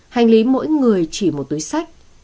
hành lý mỗi người chỉ một túi sách